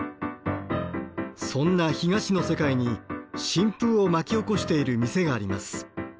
そんな干菓子の世界に新風を巻き起こしている店があります。